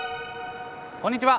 こんにちは。